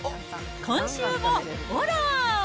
今週も、オラー。